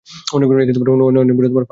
অনেক বড় ফাঁদ মনে হচ্ছে।